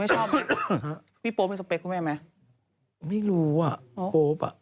ไม่ชอบพี่พี่โป๊ปเป็นสเปคหรือไม่ไม่รู้อ่ะโป๊ปอ่ะ